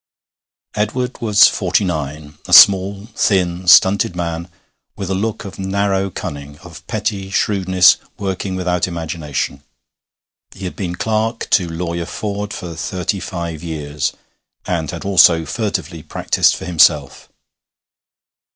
Edward was forty nine, a small, thin, stunted man, with a look of narrow cunning, of petty shrewdness working without imagination. He had been clerk to Lawyer Ford for thirty five years, and had also furtively practised for himself.